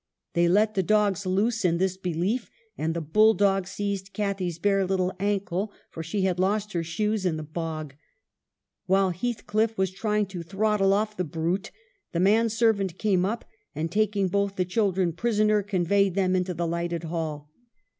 They let the dogs loose, in this belief, and the bulldog seized Cathy's bare little ankle, for she had lost her shoes in the bog. While Heathcliff was trying to throttle off the brute, the man servant came up, and, taking both the children prisoner, conveyed them into the lighted hall.